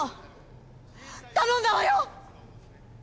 頼んだわよ。